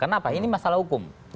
kenapa ini masalah hukum